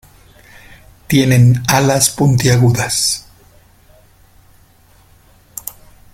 Tienen alas puntiagudas.